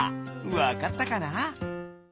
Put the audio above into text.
わかったかな？